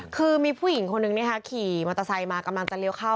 คือมีผู้หญิงคนนึงขี่มอเตอร์ไซค์มากำลังจะเลี้ยวเข้า